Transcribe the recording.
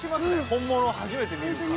本物を初めて見るから。